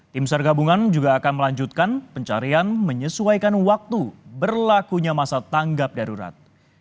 tim sar gabungan juga akan melanjutkan pencarian menyesuaikan waktu berlakunya masa tanggap darurat